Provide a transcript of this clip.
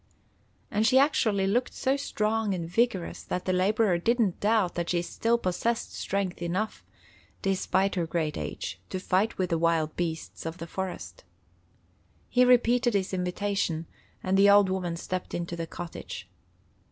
And she actually looked so strong and vigorous that the laborer didn't doubt that she still possessed strength enough, despite her great age, to fight with the wild beasts of the forest. He repeated his invitation, and the old woman stepped into the cottage.